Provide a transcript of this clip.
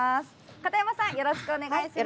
片山さん、よろしくお願いします。